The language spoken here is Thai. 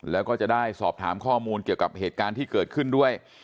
แล้วก็จะได้สอบถามข้อมูลเกี่ยวกับเหตุการณ์ที่เกิดขึ้นด้วย